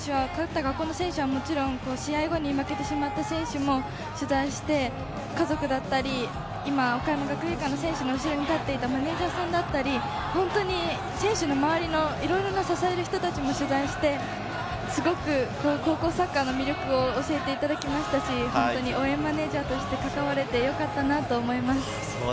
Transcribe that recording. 勝った学校の選手はもちろん、試合後に負けてしまった選手も取材して、家族だったり、今、岡山学芸館の選手の後ろに立っていたマネジャーさんだったり、選手の周りのいろいろな支える人達も取材して、すごく高校サッカーの魅力を教えていただきましたし、応援マネージャーとして関われてよかったなと思います。